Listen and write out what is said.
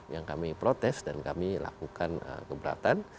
yang kami protes dan kami lakukan keberatan